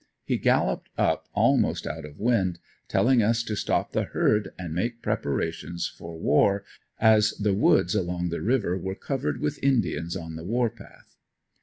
He galloped up almost out of wind telling us to stop the herd and make preparations for war, as the woods along the river were covered with indians on the war path.